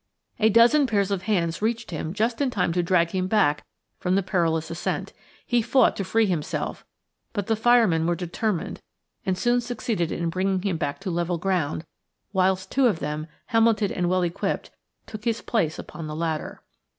A dozen pairs of hands reached him just in time to drag him back from the perilous ascent. He fought to free himself, but the firemen were determined and soon succeeded in bringing him back to level ground, whilst two of them, helmeted and well equipped, took his place upon the ladder.